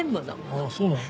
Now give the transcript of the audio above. ああそうなの？